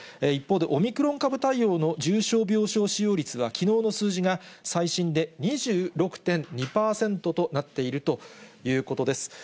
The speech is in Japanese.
一方で、オミクロン株対応の重症病床使用率がきのうの数字が最新で、２６．２％となっているということです。